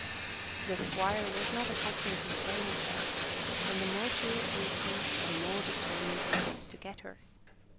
The squire was not accustomed to be gainsaid, and the more she refused him, the more determined he was to get her.